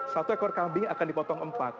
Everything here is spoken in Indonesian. satu ekor kambing akan dipotong empat